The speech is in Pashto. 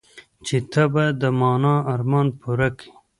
چې ته به د ما ارمان پوره كيې.